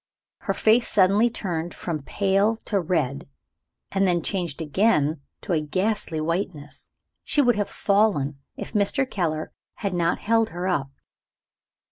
Her face suddenly turned from pale to red and then changed again to a ghastly whiteness. She would have fallen if Mr. Keller had not held her up.